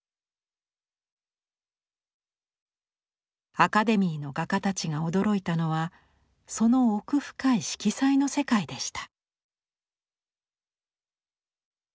アカデミーの画家たちが驚いたのはその奥深い色彩の世界でした。